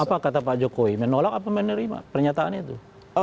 apa kata pak jokowi menolak apa menerima pernyataan itu